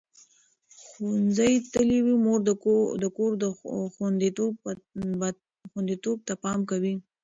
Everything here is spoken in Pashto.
ښوونځې تللې مور د کور خوندیتوب ته پام کوي.